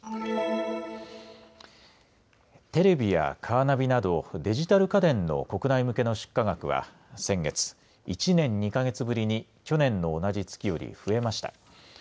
テレビやカーナビなどデジタル家電の国内向けの出荷額は先月、１年２か月ぶりに去年の同じ月より増えました。